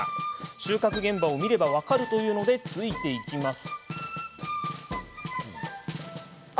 収穫現場を見れば分かるというのでついていきます。